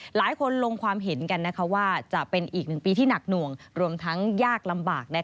หลายคนลงความเห็นกันว่าจะเป็นอีกหนึ่งปีที่หนักหน่วงรวมทั้งยากลำบาก